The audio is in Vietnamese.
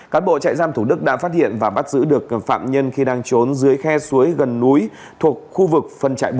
cán bộ trại giam thủ đức đã phát hiện và bắt giữ được phạm nhân khi đang trốn dưới khe suối gần núi thuộc khu vực phân trại bốn